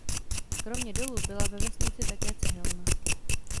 Kromě dolu byla ve vesnici také cihelna.